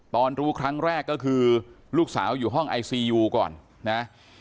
รู้ครั้งแรกก็คือลูกสาวอยู่ห้องไอซียูก่อนนะ